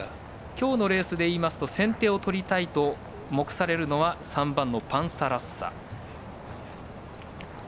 今日のレースでいいますと先手を取りたいと目されるのは３番、パンサラッサ。